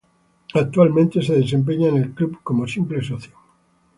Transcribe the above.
Actualmente se desempeña en el Club como simple socio.